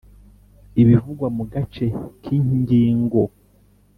ibivugwa mu gace k ingingo